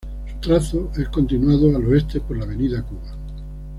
Su trazo es continuado al oeste por la avenida Cuba.